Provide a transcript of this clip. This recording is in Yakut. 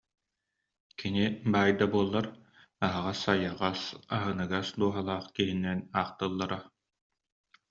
Кини баай да буоллар, аһара сайаҕас, аһыныгас дууһалаах киһинэн ахтыллара